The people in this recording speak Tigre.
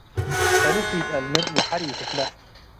ሰልፍ ኢተአልምድ ወሐር ኢትክለእ።